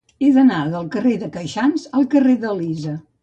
He d'anar del carrer de Queixans al carrer d'Elisa.